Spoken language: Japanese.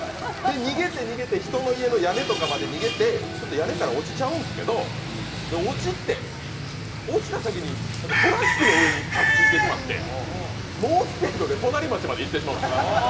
逃げて逃げて人の家の屋根とかまで逃げて、屋根から落ちちゃうんですけど落ちた先にトラックの上に着地してしまって、猛スピードで隣町まで行ってまう。